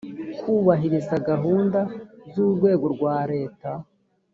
kubahiriza gahunda z urwego rwa leta